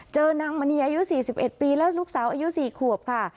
นางมณีอายุ๔๑ปีแล้วลูกสาวอายุ๔ขวบค่ะ